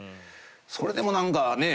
それでも何かね